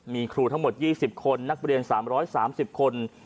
มีครูทั้งหมด๒๐คนนักเรียน๓๓๐คน